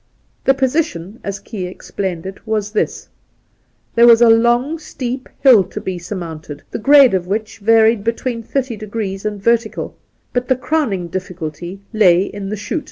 The position, as Key explained it, was this : There was a long, steep hill to be surrnounted, the grade of which varied between 30° and vertical, but the crowning difificulty lay in the 'shoot.'